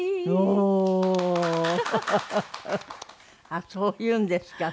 ああそういうのですか。